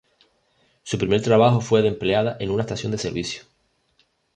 Su primer trabajo fue de empleada en una estación de servicio.